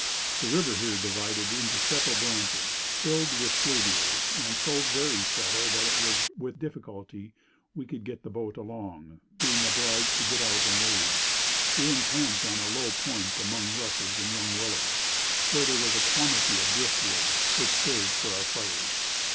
The river here divided into several branches, filled with fluvials, and so very shallow that it was with difficulty we could get the boat along, being obliged to get out and wade. We encamped on a low point among rushes and young willows, where there was a quantity of driftwood, which served for our fires.